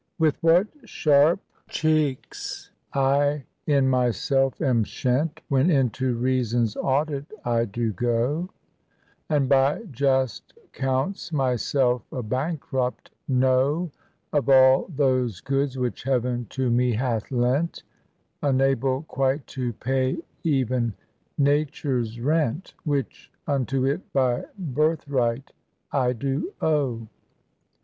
With what sharp cheelcs I in myself am shent When into reason's audit I do go, And by just counts myself a bankrupt know Of all those goods which heaven to me hath lent, Unable quite to pay even Nature*s rent, Which unto it by birthright I do owe.